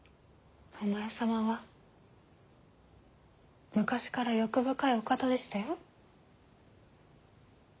お前様は昔から欲深いお方でしたよ。